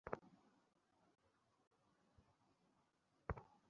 আমরা কোন পথ দিয়ে এসেছি?